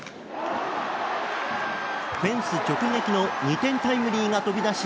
フェンス直撃の２点タイムリーが飛び出し